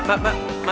mbak mbak mbak